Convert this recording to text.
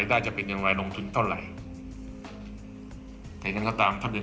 ได้จะเป็นอย่างไรลงทุนเท่าไหร่แต่ยังไงก็ตามท่าน